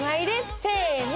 せの！